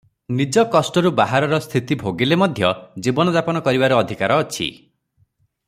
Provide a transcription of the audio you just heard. ନିଜ କଷ୍ଟରୁ ବାହାରର ସ୍ଥିତି ଭୋଗିଲେ ମଧ୍ୟ ଜୀବନଯାପନ କରିବାର ଅଧିକାର ଅଛି ।